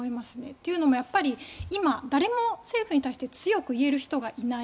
というのも今、誰も政府に対して強く言える人がいない。